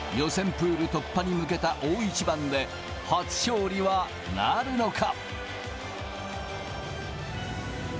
プール突破に向けた大一番で、初勝利はなるのか。